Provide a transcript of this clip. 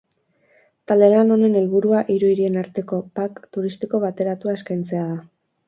Talde lan honen helburua hiru hirien arteko pack turistiko bateratua eskaintzea da.